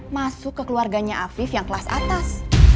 masuk ke keluarganya afif yang kelas atas